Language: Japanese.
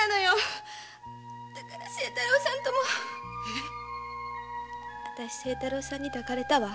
だから清太郎さんとも。あたし清太郎さんに抱かれたわ。